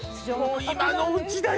もう今のうちだよ！